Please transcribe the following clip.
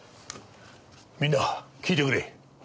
みんな聞いてくれ。